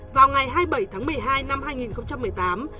vào ngày hai mươi bảy tháng một mươi hai năm hai nghìn một mươi tám